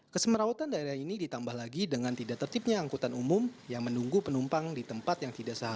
kesemerawatan daerah ini ditambah lagi dengan tidak tertipnya angkutan umum yang menunggu penumpang di tempat yang tidak sehat